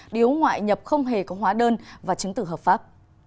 điếu ngoại nhập không hề có hóa đơn và chứng tử hợp pháp